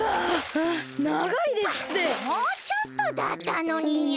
もうちょっとだったのににゃ。